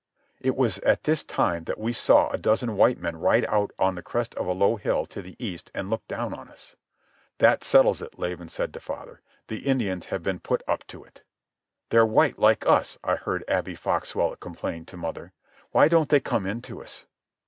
It was at this time that we saw a dozen white men ride out on the crest of a low hill to the east and look down on us. "That settles it," Laban said to father. "The Indians have been put up to it." "They're white like us," I heard Abby Foxwell complain to mother. "Why don't they come in to us?"